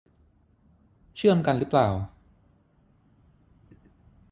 เชื่อมกันรึเปล่า